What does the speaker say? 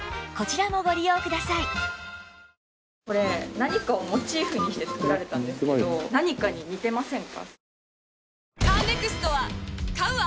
何かをモチーフにして作られたんですけど何かに似てませんか？